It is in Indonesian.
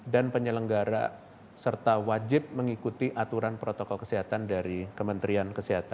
dan penyelenggara serta wajib mengikuti aturan protokol kesehatan dari kementerian kesehatan